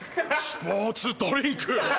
スポーツドリンク。